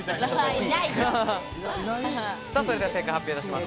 それでは正解を発表いたします。